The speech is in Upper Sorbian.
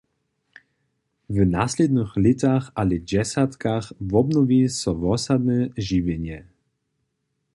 W naslědnych lětach a lětdźesatkach wobnowi so wosadne žiwjenje.